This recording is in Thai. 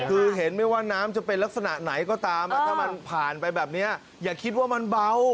คือเห็นไม่ว่าน้ำจะเป็นลักษณะไหนก็ตามถ้ามันผ่านไปแบบนี้อย่าคิดว่ามันเบา